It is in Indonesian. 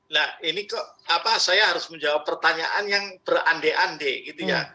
nah ini kok apa saya harus menjawab pertanyaan yang berande ande gitu ya